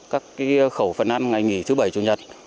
các khẩu phần ăn ngày nghỉ thứ bảy chủ nhật